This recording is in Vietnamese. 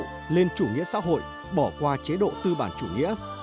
quá độ lên chủ nghĩa xã hội bỏ qua chế độ tư bản chủ nghĩa